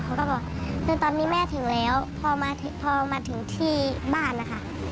เขาก็บอกคือตอนนี้แม่ถึงแล้วพอมาถึงที่บ้านนะคะ